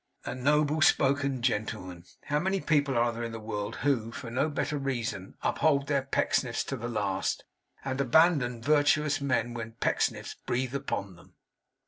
A noble spoken gentleman! How many people are there in the world, who, for no better reason, uphold their Pecksniffs to the last and abandon virtuous men, when Pecksniffs breathe upon them!